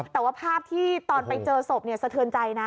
แต่ว่าภาพที่ตอนไปเจอศพสะเทือนใจนะ